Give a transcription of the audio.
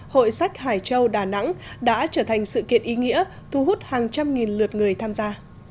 hội sách hải châu đà nẵng đã trở thành sự kiện ý nghĩa thu hút hàng trăm nghìn lượt người tham gia